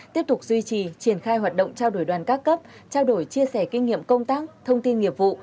tiếp tục duy trì triển khai hoạt động trao đổi đoàn các cấp trao đổi chia sẻ kinh nghiệm công tác thông tin nghiệp vụ